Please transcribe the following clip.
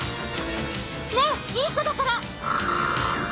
ねぇいい子だから！